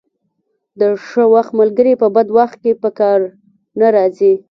د ښه وخت ملګري په بد وخت کې په کار نه راځي.